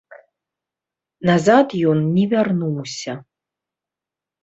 Назад ён не вярнуўся.